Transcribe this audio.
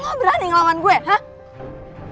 lo berani ngelawan gue hah